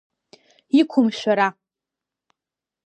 Иқәым шәара!